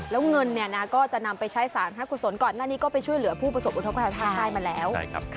แล้วเงินก็จะนำไปใช้สารพระกุศลก่อนหน้านี้ก็ไปช่วยเหลือผู้ประสบอุทธกภัยภาคใต้มาแล้ว